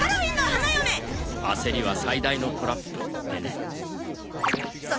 焦りは最大のトラップってね。